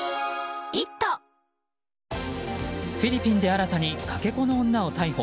フィリピンで新たにかけ子の女を逮捕。